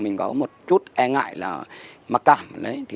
mình có một chút e ngại là mặc cảm